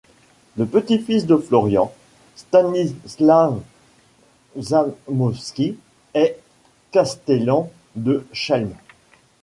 Le petit-fils de Florian, Stanisław Zamoyski, est castellan de Chełm.